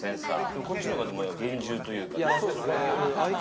こっちの方が厳重というか。